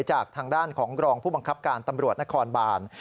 จากทางด้านของรองผู้บังคับการตำรวจนครบาน